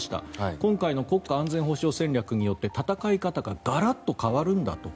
今回の国家安全保障戦略によって戦い方がガラッと変わるんだと。